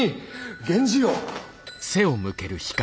源氏よ。